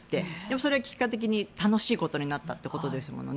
それがきっかけに楽しいことになったということですもんね。